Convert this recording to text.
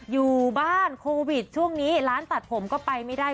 อยู่บ้านโควิดช่วงนี้ร้านตัดผมก็ไปไม่ได้